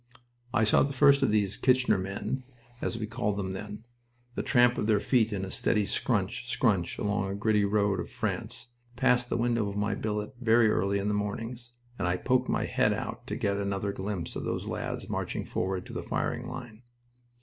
I saw the first of the "Kitchener men," as we called them then. The tramp of their feet in a steady scrunch, scrunch, along a gritty road of France, passed the window of my billet very early in the mornings, and I poked my head out to get another glimpse of those lads marching forward to the firing line.